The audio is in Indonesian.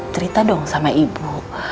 cerita dong sama ibu